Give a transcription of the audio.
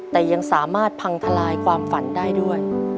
แต่ยังสามารถพังทลายความฝันได้ด้วย